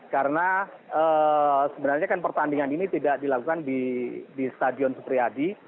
karena sebenarnya pertandingan ini tidak dilakukan di stadion supriyadi